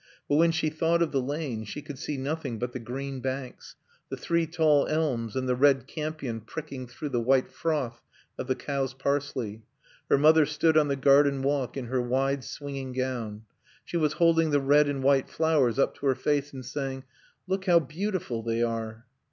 But when she thought of the lane she could see nothing but the green banks, the three tall elms, and the red campion pricking through the white froth of the cow's parsley; her mother stood on the garden walk in her wide, swinging gown; she was holding the red and white flowers up to her face and saying, "Look, how beautiful they are."